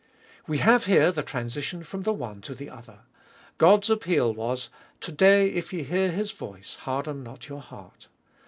We have here the transition from the one to the other. God's appeal was, To day, if ye hear His voice, harden not your heart.